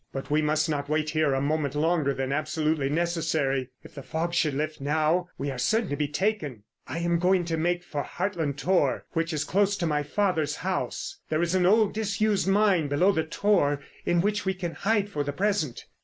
"But we must not wait here a moment longer than absolutely necessary. If the fog should lift now, we are certain to be taken. I am going to make for Hartland Tor, which is close to my father's house; there is an old, disused mine below the tor in which we can hide for the present."